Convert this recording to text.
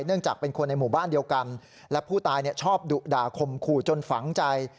จากเป็นคนในหมู่บ้านเดียวกันและผู้ตายชอบดุด่าข่มขู่จนฝังใจ